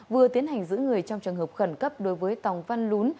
vừa tiến hành giữ người trong trường hợp khẩn cấp đối với tòng văn lún